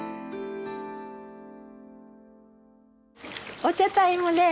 お茶タイムです！